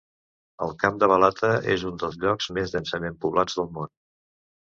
El camp de Balata és un dels llocs més densament poblats del món.